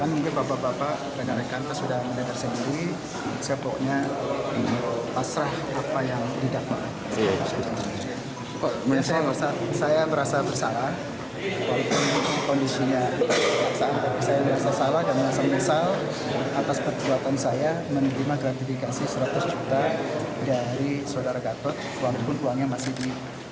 menerima gratifikasi seratus juta dari saudara gatot walaupun uangnya masih di